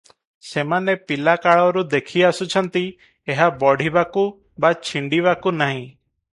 ସେମାନେ ପିଲାକାଳରୁ ଦେଖିଆସୁଛନ୍ତି, ଏହା ବଢ଼ିବାକୁ ବା ଛିଣ୍ତିବାକୁ ନାହିଁ ।